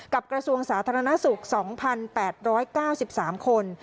กระทรวงสาธารณสุข๒๘๙๓คน